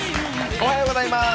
おはようございます。